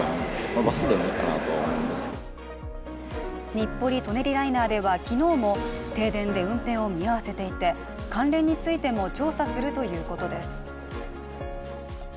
日暮里・舎人ライナーでは昨日も停電で運転を見合わせていて関連についても調査するということです。